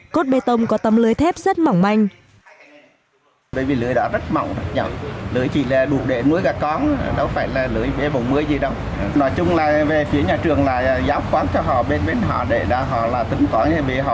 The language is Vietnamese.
cốt bê tông có tấm lưới thép rất mỏng manh